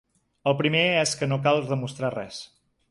El primer és que no cal demostrar res.